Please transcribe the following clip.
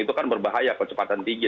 itu kan berbahaya kecepatan tinggi